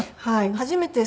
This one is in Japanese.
初めて。